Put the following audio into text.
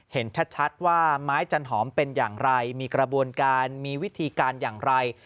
เห็นชัดว่าไม้จันหอมเป็นอย่างไรมีกระบวนการมีวิธีการอย่างไร